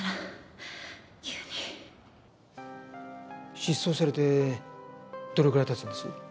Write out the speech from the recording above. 失踪されてどれぐらい経つんです？